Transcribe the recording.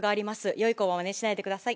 よい子はまねしないでください。